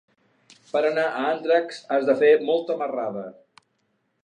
Per anar a Andratx has de fer molta marrada.